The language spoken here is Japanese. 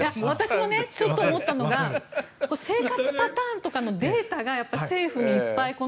私もちょっと思ったのが生活パターンとかのデータが政府にいっぱい